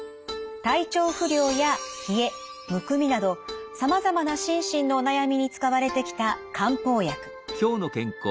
体調不良や冷えむくみなどさまざまな心身のお悩みに使われてきた漢方薬。